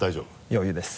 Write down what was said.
余裕です。